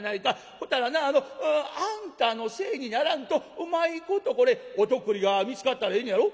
ほたらなあのあんたのせいにならんとうまいことこれお徳利が見つかったらええねやろ？」。